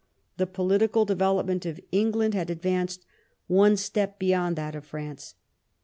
The political devel opment of England had advanced one step beyond that of France.